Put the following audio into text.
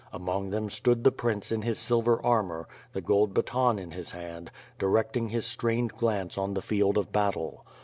Among them stood the prince in his silver armor, the gold baton in his hand, di recting his strained glance on the field of battle.